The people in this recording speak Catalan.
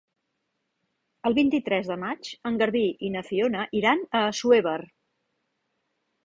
El vint-i-tres de maig en Garbí i na Fiona iran a Assuévar.